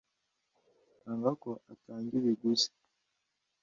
Nanga ko atanga ibiguzi,